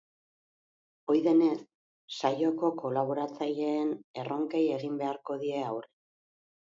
Ohi denez, saioko kolaboratzaileen erronkei egin beharko die aurre.